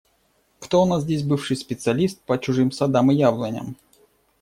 Кто у нас здесь бывший специалист по чужим садам и яблоням?